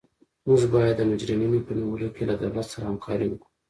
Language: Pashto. موږ باید د مجرمینو په نیولو کې له دولت سره همکاري وکړو.